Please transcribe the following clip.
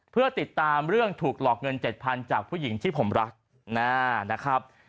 เพื่อติดตามเรื่องถูกหลอกเงิน๗๐๐จากผู้หญิงที่ผมรักนะครับ